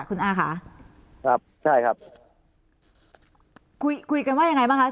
คุณอาค่ะครับใช่ครับคุยคุยกันว่ายังไงบ้างคะ